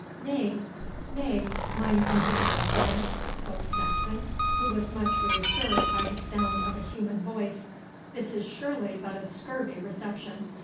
'Nay, nay, mine invisible friend,' quoth Saxon, who was much reassured by the sound of a human voice, 'this is surely but a scurvy reception.